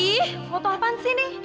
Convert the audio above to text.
ih foto apaan sih ini